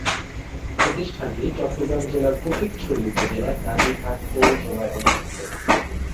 প্রতিষ্ঠানটি চট্টগ্রাম জেলার ফটিকছড়ি উপজেলার নাজিরহাট পৌরসভায় অবস্থিত।